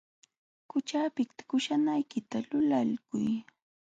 Quśhapiqta pichanaykita lulaykuy.